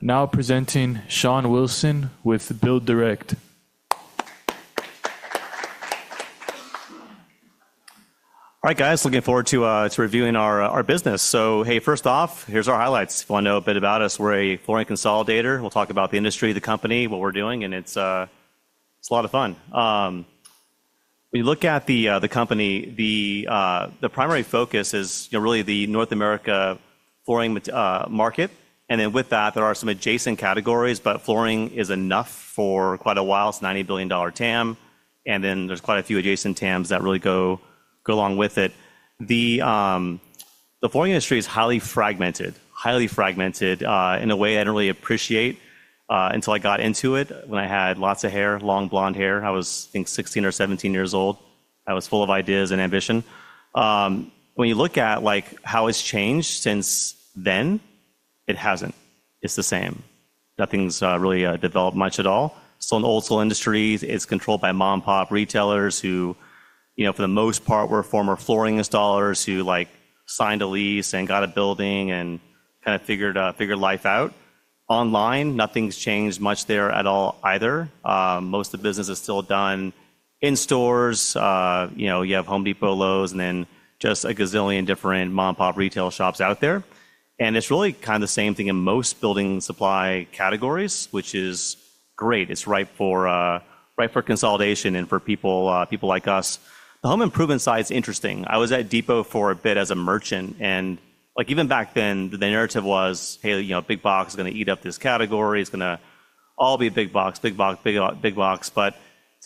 Now presenting Shawn Wilson with BuildDirect. All right, guys, looking forward to reviewing our business. Hey, first off, here's our highlights. If you want to know a bit about us, we're a flooring consolidator. We'll talk about the industry, the company, what we're doing, and it's a lot of fun. When you look at the company, the primary focus is really the North America flooring market. With that, there are some adjacent categories, but flooring is enough for quite a while. It's a $90 billion TAM. There are quite a few adjacent TAMs that really go along with it. The flooring industry is highly fragmented, highly fragmented in a way I didn't really appreciate until I got into it when I had lots of hair, long blonde hair. I was, I think, 16 or 17 years old. I was full of ideas and ambition. When you look at how it's changed since then, it hasn't. It's the same. Nothing's really developed much at all. In old-school industries, it's controlled by mom-and-pop retailers who, for the most part, were former flooring installers who signed a lease and got a building and kind of figured life out. Online, nothing's changed much there at all either. Most of the business is still done in stores. You have Home Depot, Lowe's, and then just a gazillion different mom-and-pop retail shops out there. It's really kind of the same thing in most building supply categories, which is great. It's right for consolidation and for people like us. The home improvement side is interesting. I was at Depot for a bit as a merchant. Even back then, the narrative was, hey, Big Box is going to eat up this category. It's going to all be a Big Box, Big Box, Big Box.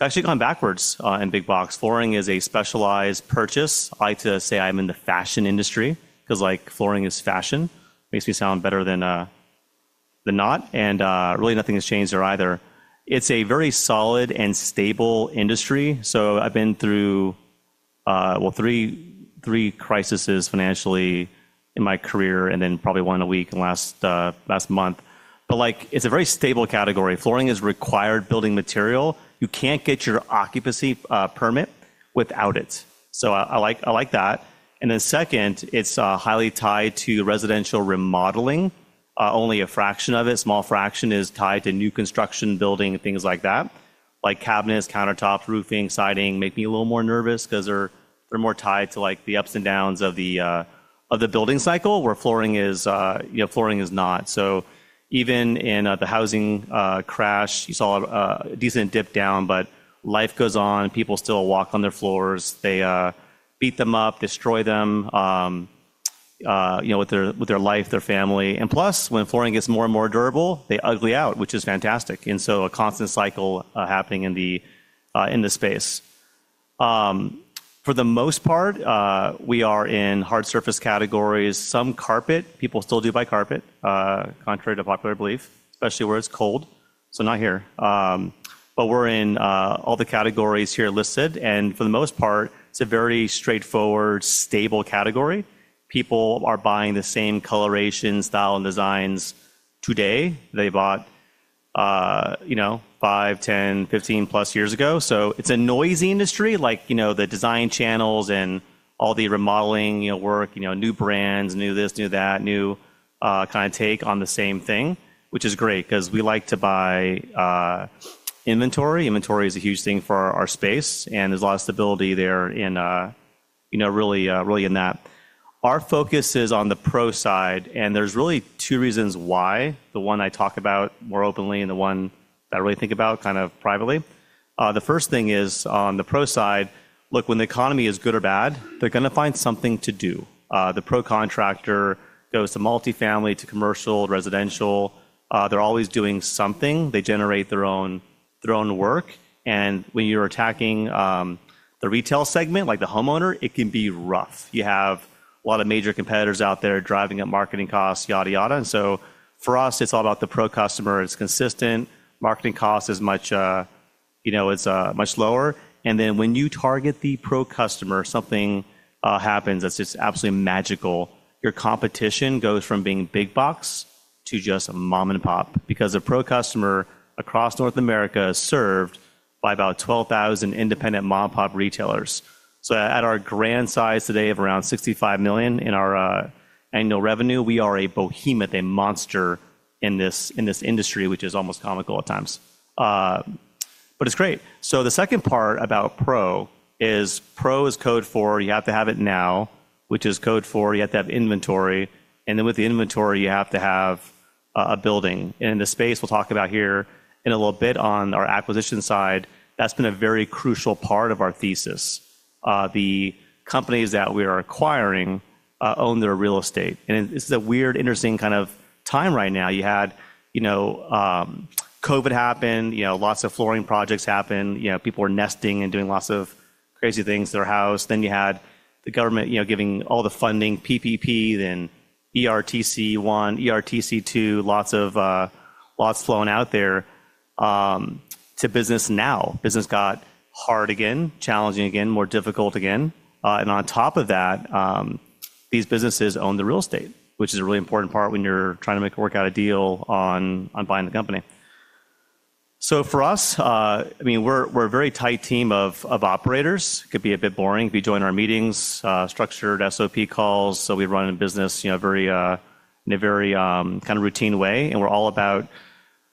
Actually, it's gone backwards in Big Box. Flooring is a specialized purchase. I like to say I'm in the fashion industry because flooring is fashion. Makes me sound better than not. Really, nothing has changed there either. It's a very solid and stable industry. I've been through, well, three crises financially in my career and then probably one a week in the last month. It's a very stable category. Flooring is required building material. You can't get your occupancy permit without it. I like that. Second, it's highly tied to residential remodeling. Only a fraction of it, a small fraction, is tied to new construction, building, things like that. Like cabinets, countertops, roofing, siding make me a little more nervous because they're more tied to the ups and downs of the building cycle where flooring is not. Even in the housing crash, you saw a decent dip down, but life goes on. People still walk on their floors. They beat them up, destroy them with their life, their family. Plus, when flooring gets more and more durable, they ugly out, which is fantastic. A constant cycle happening in the space. For the most part, we are in hard surface categories. Some carpet, people still do buy carpet, contrary to popular belief, especially where it's cold. Not here. We're in all the categories here listed. For the most part, it's a very straightforward, stable category. People are buying the same coloration, style, and designs today than they bought 5, 10, 15 plus years ago. It is a noisy industry. The design channels and all the remodeling work, new brands, new this, new that, new kind of take on the same thing, which is great because we like to buy inventory. Inventory is a huge thing for our space. There is a lot of stability there really in that. Our focus is on the pro side. There are really two reasons why. The one I talk about more openly and the one that I really think about kind of privately. The first thing is on the pro side, look, when the economy is good or bad, they are going to find something to do. The pro contractor goes to multifamily, to commercial, residential. They are always doing something. They generate their own work. When you're attacking the retail segment, like the homeowner, it can be rough. You have a lot of major competitors out there driving up marketing costs, yada, yada. For us, it's all about the pro customer. It's consistent. Marketing cost is much lower. When you target the pro customer, something happens that's just absolutely magical. Your competition goes from being Big Box to just mom-and-pop because the pro customer across North America is served by about 12,000 independent mom-and-pop retailers. At our grand size today of around $65 million in our annual revenue, we are a behemoth, a monster in this industry, which is almost comical at times. It's great. The second part about pro is pro is code for you have to have it now, which is code for you have to have inventory. With the inventory, you have to have a building. The space we'll talk about here in a little bit on our acquisition side, that's been a very crucial part of our thesis. The companies that we are acquiring own their real estate. This is a weird, interesting kind of time right now. You had COVID happen, lots of flooring projects happen. People were nesting and doing lots of crazy things in their house. You had the government giving all the funding, PPP, then ERTC1, ERTC2, lots flown out there to business now. Business got hard again, challenging again, more difficult again. On top of that, these businesses own the real estate, which is a really important part when you're trying to work out a deal on buying the company. For us, I mean, we're a very tight team of operators. It could be a bit boring. We join our meetings, structured SOP calls. We run a business in a very kind of routine way.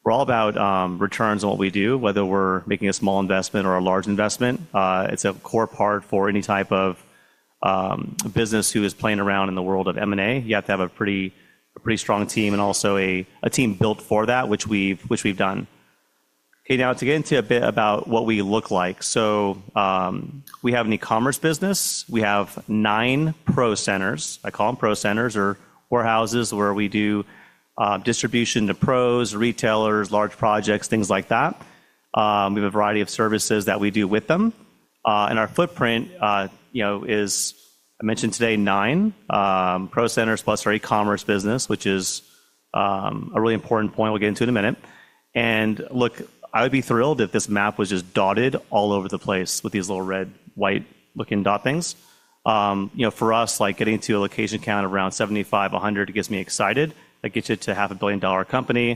We're all about returns on what we do, whether we're making a small investment or a large investment. It's a core part for any type of business who is playing around in the world of M&A. You have to have a pretty strong team and also a team built for that, which we've done. Okay, now to get into a bit about what we look like. We have an e-commerce business. We have nine pro centers. I call them pro centers or warehouses where we do distribution to pros, retailers, large projects, things like that. We have a variety of services that we do with them. Our footprint is, I mentioned today, nine pro centers plus our e-commerce business, which is a really important point we'll get into in a minute. Look, I would be thrilled if this map was just dotted all over the place with these little red, white-looking dot things. For us, getting to a location count of around 75, 100 gets me excited. That gets you to a $500,000,000 company.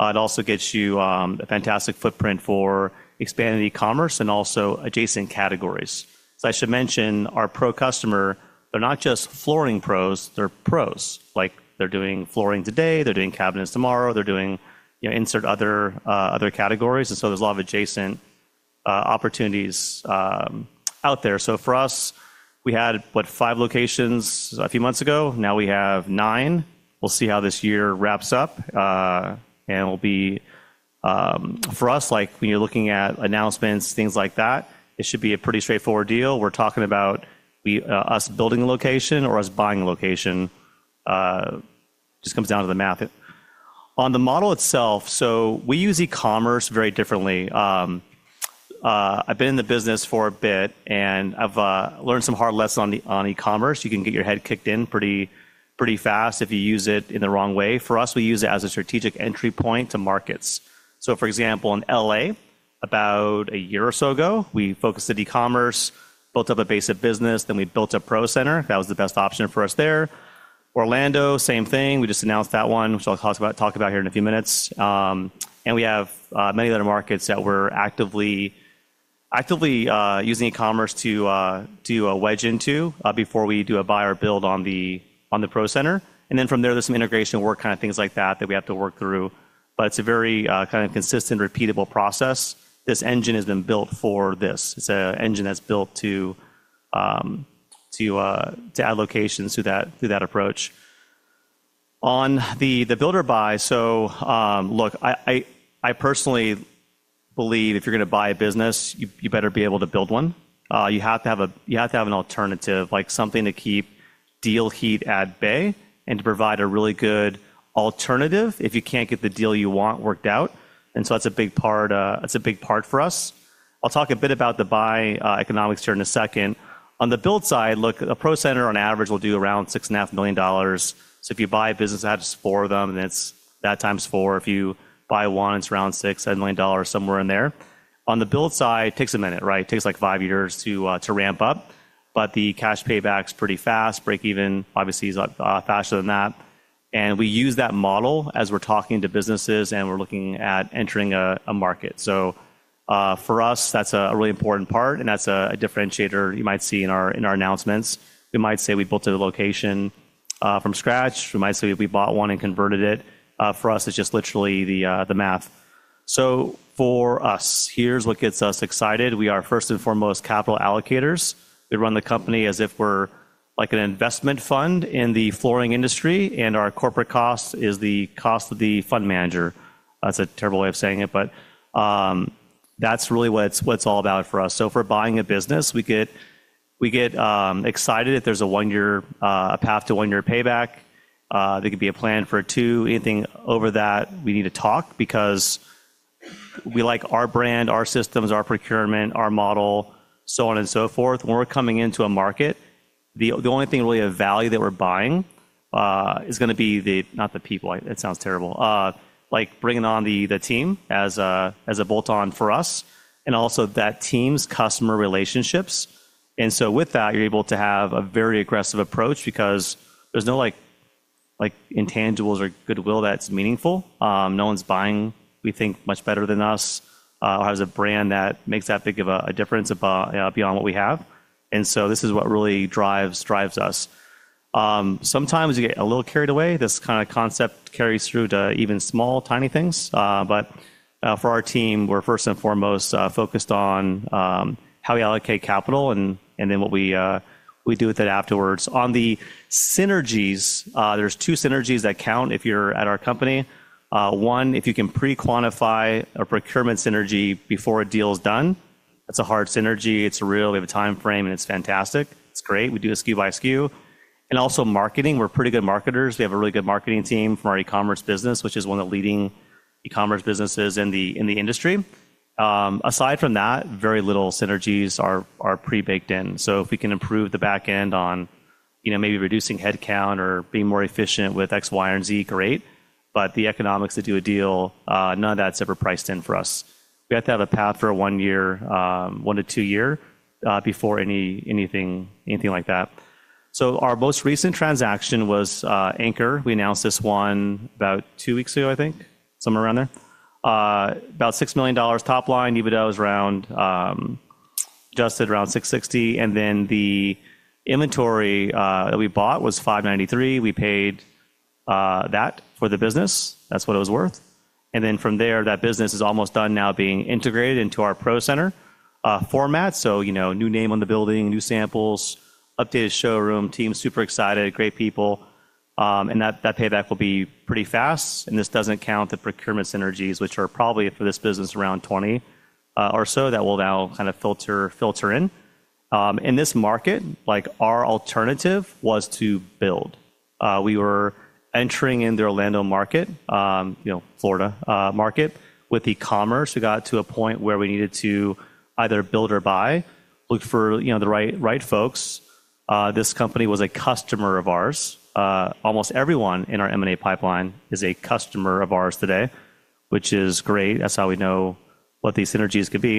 It also gets you a fantastic footprint for expanding e-commerce and also adjacent categories. I should mention our pro customer, they're not just flooring pros, they're pros. They're doing flooring today, they're doing cabinets tomorrow, they're doing insert other categories. There's a lot of adjacent opportunities out there. For us, we had, what, five locations a few months ago. Now we have nine. We'll see how this year wraps up. For us, when you're looking at announcements, things like that, it should be a pretty straightforward deal. We're talking about us building a location or us buying a location. It just comes down to the math. On the model itself, we use e-commerce very differently. I've been in the business for a bit, and I've learned some hard lessons on e-commerce. You can get your head kicked in pretty fast if you use it in the wrong way. For us, we use it as a strategic entry point to markets. For example, in Los Angeles, about a year or so ago, we focused on e-commerce, built up a basic business, then we built a pro center. That was the best option for us there. Orlando, same thing. We just announced that one, which I'll talk about here in a few minutes. We have many other markets that we're actively using e-commerce to wedge into before we do a buy or build on the pro center. From there, there's some integration work, kind of things like that that we have to work through. It's a very kind of consistent, repeatable process. This engine has been built for this. It's an engine that's built to add locations through that approach. On the BuildDirect.com Buy, look, I personally believe if you're going to buy a business, you better be able to build one. You have to have an alternative, like something to keep deal heat at bay and to provide a really good alternative if you can't get the deal you want worked out. That's a big part for us. I'll talk a bit about the buy economics here in a second. On the build side, look, a pro center on average will do around $6.5 million. If you buy a business, that's four of them, and that times four. If you buy one, it's around $6 million-$7 million, somewhere in there. On the build side, takes a minute, right? Takes like five years to ramp up. The cash payback is pretty fast. Break even, obviously, is faster than that. We use that model as we're talking to businesses and we're looking at entering a market. For us, that's a really important part, and that's a differentiator you might see in our announcements. We might say we built a location from scratch. We might say we bought one and converted it. For us, it's just literally the math. For us, here's what gets us excited. We are first and foremost capital allocators. We run the company as if we're like an investment fund in the flooring industry, and our corporate cost is the cost of the fund manager. That's a terrible way of saying it, but that's really what it's all about for us. If we're buying a business, we get excited if there's a one-year path to one-year payback. There could be a plan for two. Anything over that, we need to talk because we like our brand, our systems, our procurement, our model, so on and so forth. When we're coming into a market, the only thing really of value that we're buying is going to be the not the people. It sounds terrible. Like bringing on the team as a bolt-on for us and also that team's customer relationships. With that, you're able to have a very aggressive approach because there's no intangibles or goodwill that's meaningful. No one's buying, we think, much better than us or has a brand that makes that big of a difference beyond what we have. This is what really drives us. Sometimes you get a little carried away. This kind of concept carries through to even small, tiny things. For our team, we're first and foremost focused on how we allocate capital and then what we do with it afterwards. On the synergies, there's two synergies that count if you're at our company. One, if you can pre-quantify a procurement synergy before a deal is done. That's a hard synergy. It's real. We have a time frame, and it's fantastic. It's great. We do a SKU by SKU. Also, marketing, we're pretty good marketers. We have a really good marketing team for our e-commerce business, which is one of the leading e-commerce businesses in the industry. Aside from that, very little synergies are pre-baked in. If we can improve the back end on maybe reducing headcount or being more efficient with X, Y, and Z, great. The economics to do a deal, none of that is ever priced in for us. We have to have a path for a one-year, one to two-year before anything like that. Our most recent transaction was Anchor. We announced this one about two weeks ago, I think, somewhere around there. About $6 million top line, EBITDA was adjusted around $660,000. The inventory that we bought was $593,000. We paid that for the business. That is what it was worth. From there, that business is almost done now being integrated into our pro center format. New name on the building, new samples, updated showroom, team super excited, great people. That payback will be pretty fast. This does not count the procurement synergies, which are probably for this business around 20 or so that will now kind of filter in. In this market, our alternative was to build. We were entering into Orlando market, Florida market with e-commerce. We got to a point where we needed to either build or buy, look for the right folks. This company was a customer of ours. Almost everyone in our M&A pipeline is a customer of ours today, which is great. That is how we know what these synergies could be.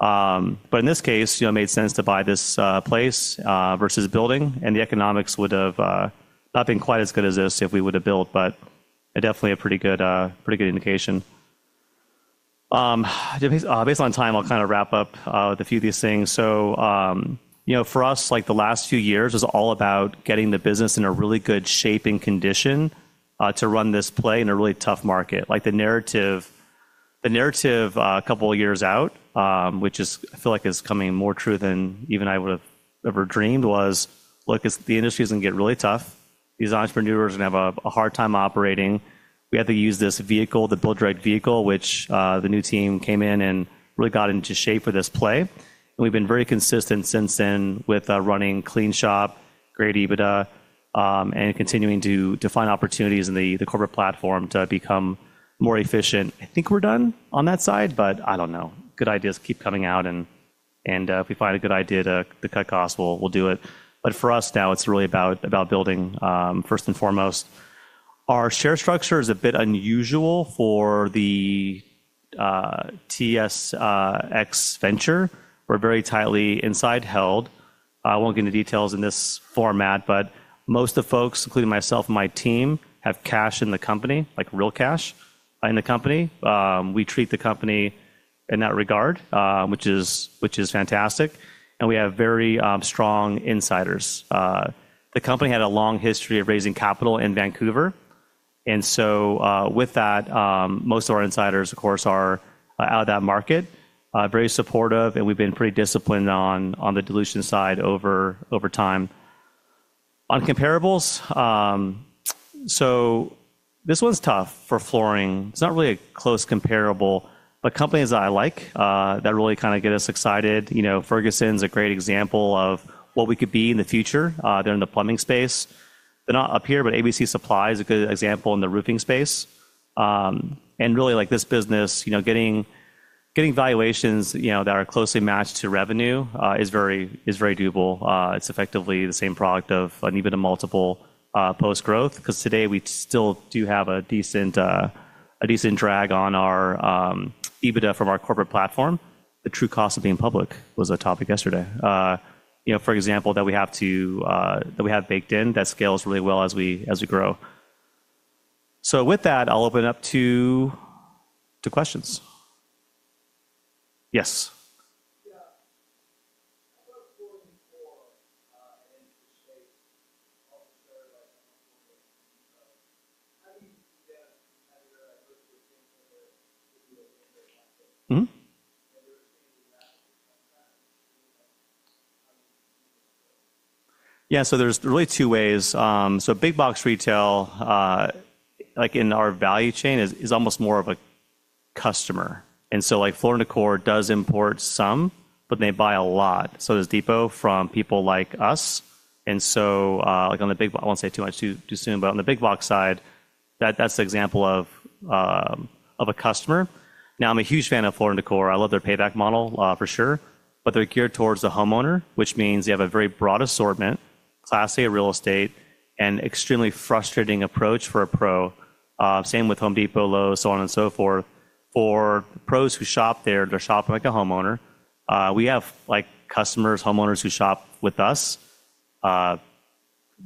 In this case, it made sense to buy this place versus building. The economics would have not been quite as good as this if we would have built, but definitely a pretty good indication. Based on time, I'll kind of wrap up with a few of these things. For us, like the last few years was all about getting the business in a really good shape and condition to run this play in a really tough market. The narrative a couple of years out, which I feel like is coming more true than even I would have ever dreamed, was, look, the industry is going to get really tough. These entrepreneurs are going to have a hard time operating. We have to use this vehicle, the BuildDirect vehicle, which the new team came in and really got into shape for this play. We have been very consistent since then with running a clean shop, great EBITDA, and continuing to find opportunities in the corporate platform to become more efficient. I think we are done on that side, but I do not know. Good ideas keep coming out. If we find a good idea to cut costs, we will do it. For us now, it is really about building first and foremost. Our share structure is a bit unusual for the TSX Venture. We are very tightly inside held. I will not get into details in this format, but most of the folks, including myself and my team, have cash in the company, like real cash in the company. We treat the company in that regard, which is fantastic. We have very strong insiders. The company had a long history of raising capital in Vancouver. With that, most of our insiders, of course, are out of that market, very supportive, and we've been pretty disciplined on the dilution side over time. On comparables, this one's tough for flooring. It's not really a close comparable, but companies that I like that really kind of get us excited. Ferguson's a great example of what we could be in the future. They're in the plumbing space. They're not up here, but ABC Supply is a good example in the roofing space. Really, like this business, getting valuations that are closely matched to revenue is very doable. It's effectively the same product of an even a multiple post-growth because today we still do have a decent drag on our EBITDA from our corporate platform. The true cost of being public was a topic yesterday. For example, that we have baked in that scales really well as we grow. With that, I'll open it up to questions. Yes. Yeah. What's going for an interest rate officer like Anchor? How do you see that as a competitor? I heard you were saying that there could be a lingering market. Have you ever seen any of that? Yeah, there's really two ways. Big box retail, like in our value chain, is almost more of a customer. Like Floor & Decor does import some, but they buy a lot. There's Depot from people like us. On the big box, I won't say too much too soon, but on the big box side, that's the example of a customer. I'm a huge fan of Floor & Decor. I love their payback model for sure, but they're geared towards a homeowner, which means they have a very broad assortment, class A real estate, and extremely frustrating approach for a pro. Same with Home Depot, Lowe's, so on and so forth. For pros who shop there, they're shopping like a homeowner. We have customers, homeowners who shop with us. We're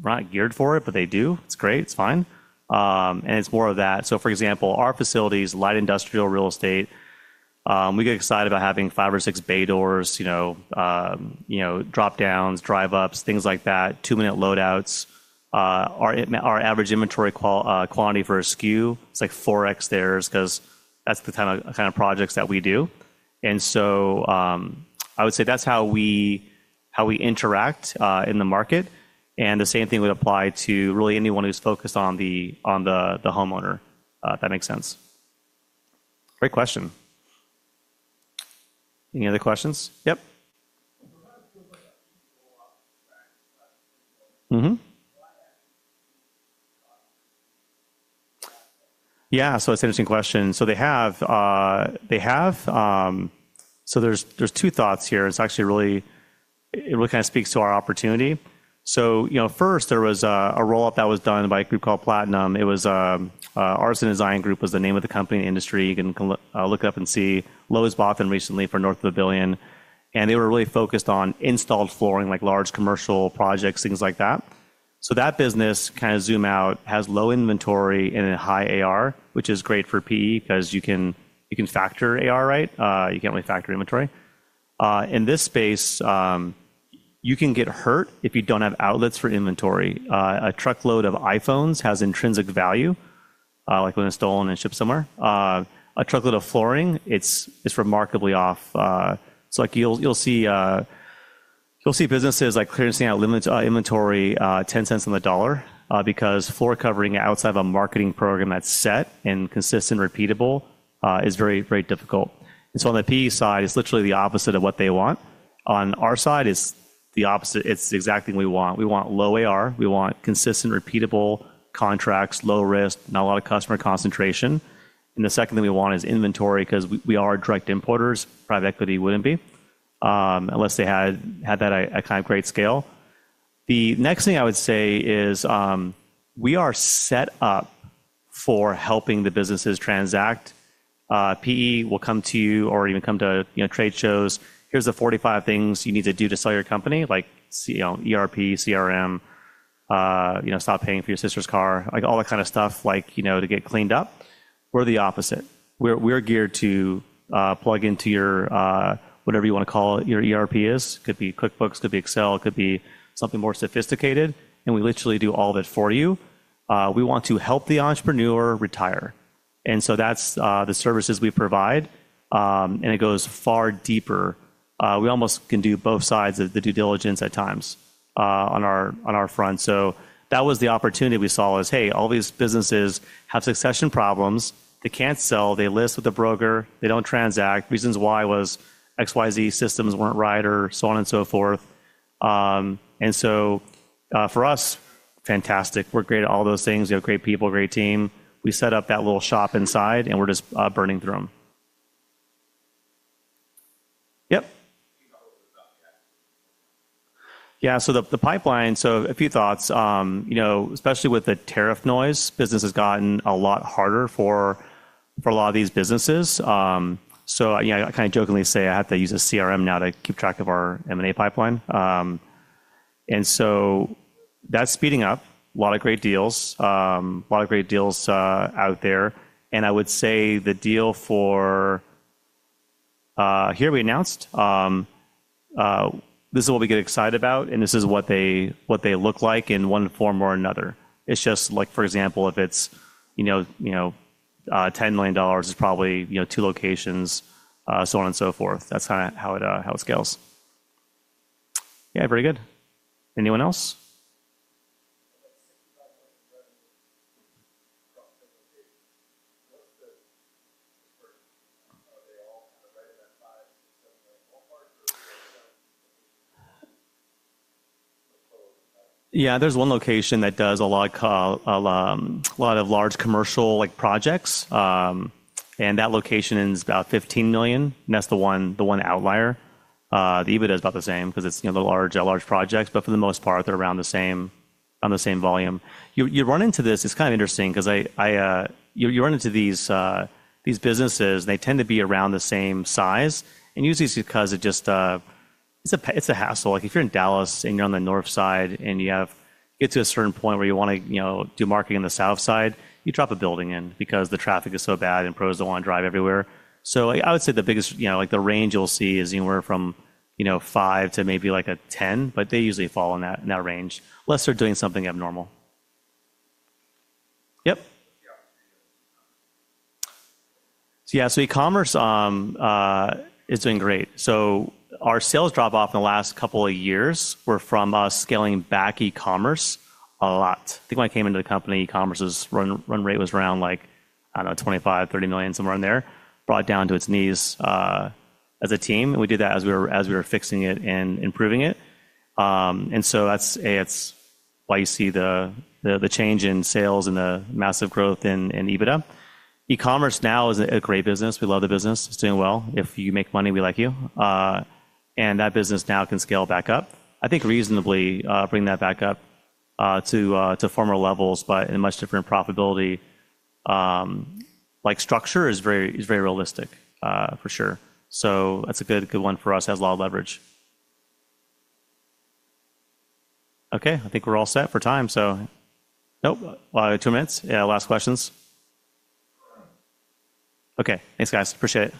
not geared for it, but they do. It's great. It's fine. It's more of that. For example, our facilities, light industrial real estate, we get excited about having five or six bay doors, dropdowns, drive-ups, things like that, two-minute loadouts. Our average inventory quantity for a SKU, it's like four times theirs because that's the kind of projects that we do. I would say that's how we interact in the market. The same thing would apply to really anyone who's focused on the homeowner, if that makes sense. Great question. Any other questions? Yep. Yeah, it's an interesting question. They have, so there's two thoughts here. It actually really kind of speaks to our opportunity. First, there was a roll-up that was done by a group called Platinum. It was Artisan Design Group was the name of the company in the industry. You can look it up and see. Lowe's bought them recently for north of $1 billion. They were really focused on installed flooring, like large commercial projects, things like that. That business, kind of zoom out, has low inventory and a high AR, which is great for PE because you can factor AR, right? You can't really factor inventory. In this space, you can get hurt if you don't have outlets for inventory. A truckload of iPhones has intrinsic value, like when it's stolen and shipped somewhere. A truckload of flooring, it's remarkably off. You'll see businesses like clearance, they have limited inventory, 10 cents on the dollar because floor covering outside of a marketing program that's set and consistent, repeatable, is very, very difficult. On the PE side, it's literally the opposite of what they want. On our side, it's the opposite. It's exactly what we want. We want low AR. We want consistent, repeatable contracts, low risk, not a lot of customer concentration. The second thing we want is inventory because we are direct importers. Private equity wouldn't be unless they had that at kind of great scale. The next thing I would say is we are set up for helping the businesses transact. PE will come to you or even come to trade shows. Here's the 45 things you need to do to sell your company, like ERP, CRM, stop paying for your sister's car, like all that kind of stuff to get cleaned up. We're the opposite. We're geared to plug into whatever you want to call it, your ERP is. Could be QuickBooks, could be Excel, could be something more sophisticated. And we literally do all of it for you. We want to help the entrepreneur retire. That is the services we provide. It goes far deeper. We almost can do both sides of the due diligence at times on our front. That was the opportunity we saw is, hey, all these businesses have succession problems. They can't sell. They list with a broker. They don't transact. Reasons why was XYZ systems weren't right or so on and so forth. For us, fantastic. We're great at all those things. We have great people, great team. We set up that little shop inside and we're just burning through them. Yep. Yeah, the pipeline, a few thoughts, especially with the tariff noise, business has gotten a lot harder for a lot of these businesses. I kind of jokingly say I have to use a CRM now to keep track of our M&A pipeline. That's speeding up. A lot of great deals, a lot of great deals out there. I would say the deal for here we announced, this is what we get excited about, and this is what they look like in one form or another. It's just like, for example, if it's $10 million, it's probably two locations, so on and so forth. That's kind of how it scales. Yeah, very good. Anyone else? Yeah, there's one location that does a lot of large commercial projects. And that location is about $15 million. And that's the one outlier. The EBITDA is about the same because it's a large project. But for the most part, they're around the same volume. You run into this, it's kind of interesting because you run into these businesses and they tend to be around the same size. And usually it's because it's a hassle. Like if you're in Dallas and you're on the north side and you get to a certain point where you want to do marketing on the south side, you drop a building in because the traffic is so bad and pros don't want to drive everywhere. I would say the biggest, like the range you'll see is anywhere from 5 to maybe like a 10, but they usually fall in that range, unless they're doing something abnormal. Yep. Yeah, e-commerce is doing great. Our sales dropped off in the last couple of years from us scaling back e-commerce a lot. I think when I came into the company, e-commerce's run rate was around like, I don't know, $25 million, $30 million, somewhere in there, brought down to its knees as a team. We did that as we were fixing it and improving it. That's why you see the change in sales and the massive growth in EBITDA. E-commerce now is a great business. We love the business. It's doing well. If you make money, we like you. That business now can scale back up, I think reasonably bring that back up to former levels, but in a much different profitability. Like structure is very realistic for sure. That is a good one for us. It has a lot of leverage. I think we are all set for time. Nope, two minutes. Yeah, last questions. Okay, thanks guys. Appreciate it.